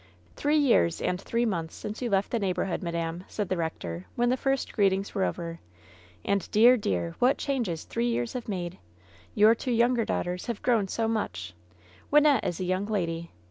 "Three years aiid three months since you left the neighborhood, madam," said the rector, when the first greetings were over. "And dear, dear, what changes three years have made ! Your two younger daughters have grown so much ! Wynnette is a young lady.